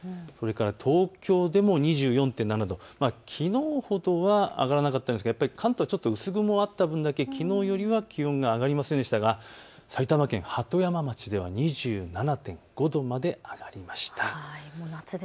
東京でも２４．７度、きのうほどは上がらなかったですが関東、薄雲があった分だけきのうより気温が上がりませんでしたが、埼玉県鳩山町では２７．５度まで上がりました。